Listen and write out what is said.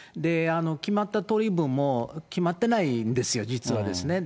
決まった取り分も、決まってないんですよ、実はですね。